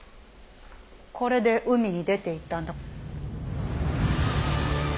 これで海に出ていったんだ。